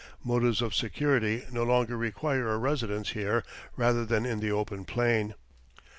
Motives of security no longer require a residence here rather than in the open plain.